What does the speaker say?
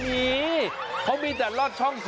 นี่เห็นไหมลอดช่อง